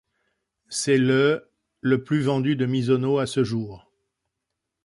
C'est le le plus vendu de Misono à ce jour.